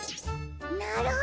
なるほど！